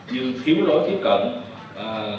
như thiếu lối tiếp cận các công viên hành lang bờ sông